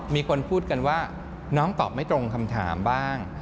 มีคนพูดกันว่าน้องตอบไม่ตรงคำถามบ้าง